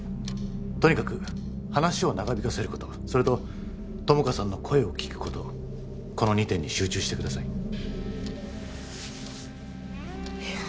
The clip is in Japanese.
とにかく話を長引かせることそれと友果さんの声を聞くことこの２点に集中してください